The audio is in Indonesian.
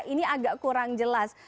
ini agak kurang jelas